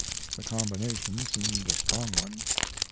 The combination seemed a strong one.